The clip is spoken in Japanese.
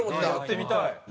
やってみたい。